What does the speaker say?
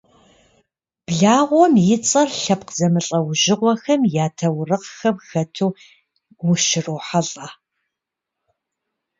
Благъуэм и цӏэр лъэпкъ зэмылӏэужьыгъуэхэм я таурыхъхэм хэту ущырохьэлӏэ.